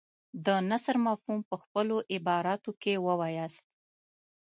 د نثر مفهوم په خپلو عباراتو کې ووایاست.